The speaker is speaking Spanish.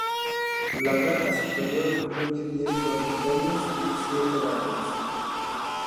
La planta superior incluye diez dormitorios y siete baños.